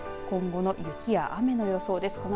今後の雪や雨の予想です。